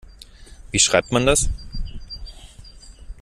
Wie schreibt man das?